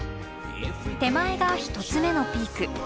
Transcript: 手前が１つ目のピーク。